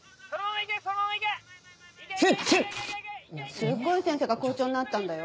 すっごい先生が校長になったんだよ。